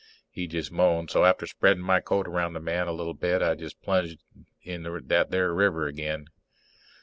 He just moaned so after spreadin' my coat around the man a little bit I just plunged in that there river again.